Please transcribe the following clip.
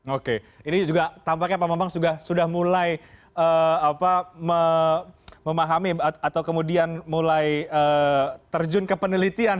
oke ini juga tampaknya pak bambang sudah mulai memahami atau kemudian mulai terjun ke penelitian